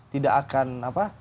tidak akan apa